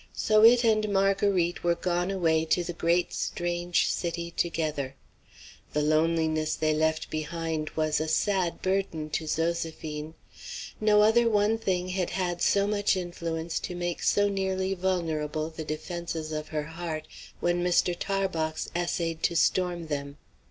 So it and Marguerite were gone away to the great strange city together. The loneliness they left behind was a sad burden to Zoséphine. No other one thing had had so much influence to make so nearly vulnerable the defences of her heart when Mr. Tarbox essayed to storm them.